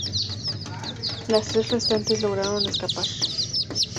Las tres restantes lograron escapar.